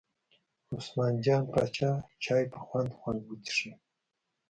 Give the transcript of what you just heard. عثمان جان پاچا چای په خوند خوند وڅښه.